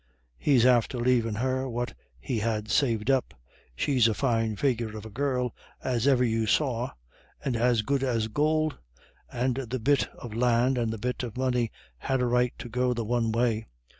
He's after leavin' her what he had saved up. She's a fine figure of a girl as iver you saw, and as good as gould, and the bit of lan' and the bit of money had a right to go the one way.